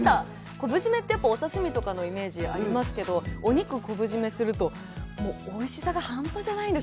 昆布締めってお刺身とかのイメージありますけど、お肉を昆布締めすると、おいしさが半端じゃないんです。